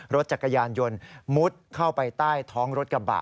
รถจักรยานยนต์มุดเข้าไปใต้ท้องรถกระบะ